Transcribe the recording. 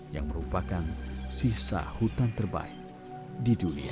yang merupakan sisa hutan terbaik di dunia